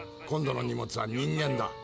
今度の荷物は人間だ。